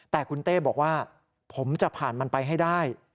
แต่คุณเต้บอกว่าผมจะผ่านมันไปให้ได้